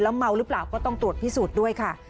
เมาหรือเปล่าก็ต้องตรวจพิสูจน์ด้วยค่ะ